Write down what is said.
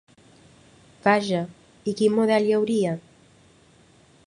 Vaja, i quin model hi hauria?